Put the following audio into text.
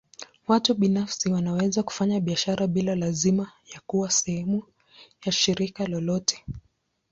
Watu binafsi wanaweza kufanya biashara bila lazima ya kuwa sehemu ya shirika lolote.